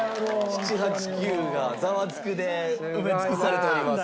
７８９が『ザワつく！』で埋め尽くされております。